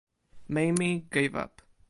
Mamie gave up.